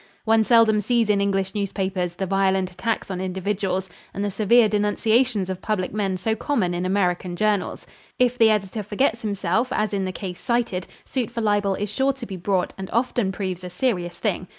One seldom sees in English newspapers the violent attacks on individuals and the severe denunciations of public men so common in American journals. If the editor forgets himself, as in the case cited, suit for libel is sure to be brought and often proves a serious thing.